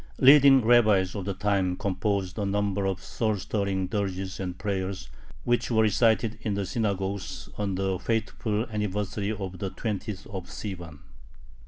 Leading rabbis of the time composed a number of soul stirring dirges and prayers, which were recited in the synagogues on the fateful anniversary of the twentieth of Sivan.